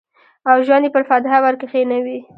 او ژوند یې پر فاتحه ورکښېنوی